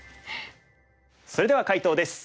それでは解答です。